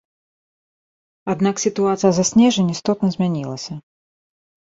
Аднак сітуацыя за снежань істотна змянілася.